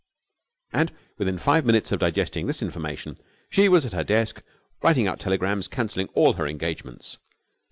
And within five minutes of digesting this information, she was at her desk writing out telegrams cancelling all her engagements.